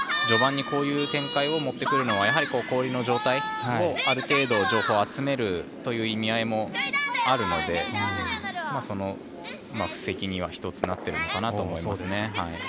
序盤にこういう展開を持ってくるのはやはり氷の状態をある程度情報を集めるという意味合いもあるので布石には１つなってるのかなと思いますね。